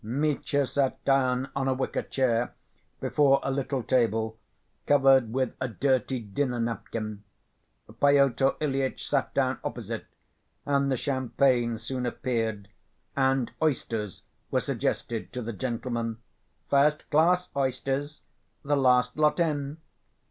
Mitya sat down on a wicker chair, before a little table, covered with a dirty dinner‐napkin. Pyotr Ilyitch sat down opposite, and the champagne soon appeared, and oysters were suggested to the gentlemen. "First‐class oysters, the last lot in."